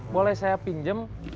boleh saya pinjem